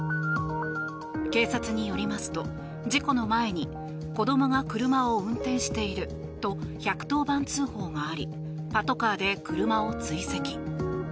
警察によりますと、事故の前に子どもが車を運転していると１１０番通報がありパトカーで車を追跡。